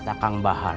kata kang bahar